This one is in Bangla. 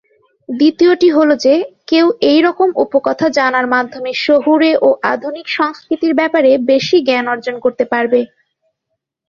দ্বিতীয়টি হলো যে, কেউ এইরকম উপকথা জানার মাধ্যমে শহুরে ও আধুনিক সংস্কৃতির ব্যাপারে বেশি জ্ঞান অর্জন করতে পারবে।